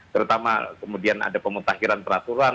terutama kemudian ada pemutakhiran peraturan